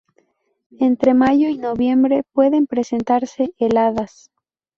Entre mayo y noviembre pueden presentarse heladas.